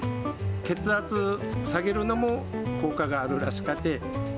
血圧下げるのも効果があるらしかて。